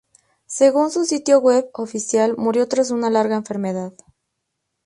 Según su sitio web oficial, murió tras una larga enfermedad.